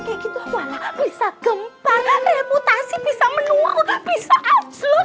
kaya gitu walah bisa gempar reputasi bisa menurut bisa outslut